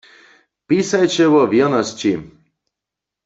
Pisajće wo wěrnosći.